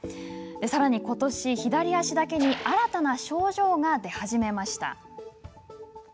さらに、ことし左足だけに新たな症状が出始めました。